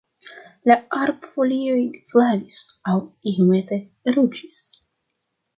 La arbfolioj flavis aŭ iomete ruĝis.